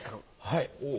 はい。